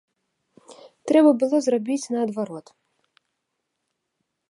Трэба было зрабіць наадварот.